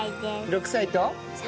６歳と？